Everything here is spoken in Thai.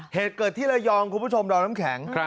เหตุเกิดที่ระยองคุณผู้ชมดอมน้ำแข็ง